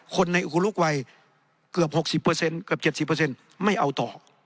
คนในอุลุกวัยเกือบ๖๐เกือบ๗๐ไม่เอาต่อ